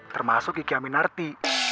termasuk kiki aminarti